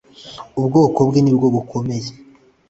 Ubwoko bwe nibwo bukomeye.